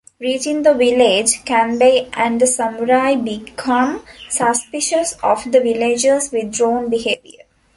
Reaching the village, Kanbei and the samurai become suspicious of the villagers withdrawn behavior.